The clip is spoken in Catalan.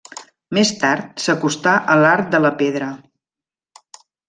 Més tard, s'acostà a l'art de la pedra.